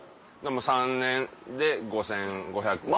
３年で５５００時間。